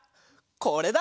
これだ！